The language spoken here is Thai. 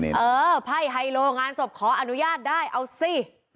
เออไพ่ไฮโลงานศพขออนุญาตได้เอาสิ